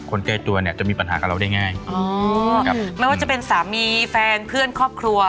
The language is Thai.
ใกล้ตัวเนี่ยจะมีปัญหากับเราได้ง่ายอ๋อครับไม่ว่าจะเป็นสามีแฟนเพื่อนครอบครัว